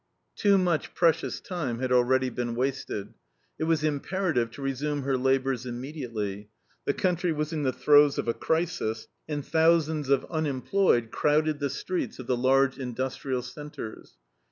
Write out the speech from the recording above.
Too much precious time had already been wasted. It was imperative to resume her labors immediately. The country was in the throes of a crisis, and thousands of unemployed crowded the streets of the large industrial centers.